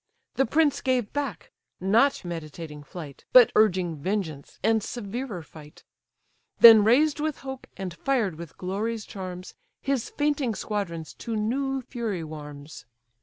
The prince gave back, not meditating flight, But urging vengeance, and severer fight; Then raised with hope, and fired with glory's charms, His fainting squadrons to new fury warms.